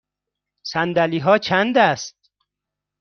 صندلی ها چند است؟